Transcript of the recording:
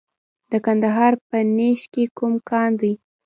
د کندهار په نیش کې کوم کان دی؟